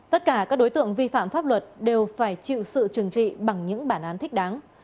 tất cả các đối tượng vi phạm pháp luật đều phải chịu sự trừng trị bằng những bản án thích đáng